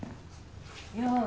よう